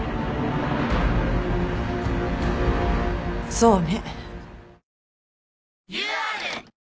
そうね。